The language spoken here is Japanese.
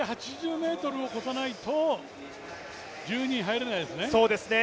８０ｍを越さないと１２位に入れないですね。